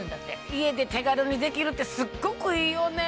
家で手軽にできるってすっごくいいよね。